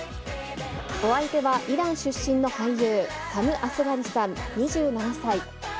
お相手はイラン出身の俳優、サム・アスガリさん２７歳。